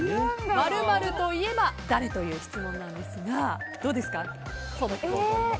○○といえば誰という質問ですがどうですか？